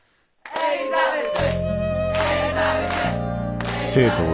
エリザベス！